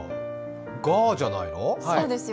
ガーじゃないの？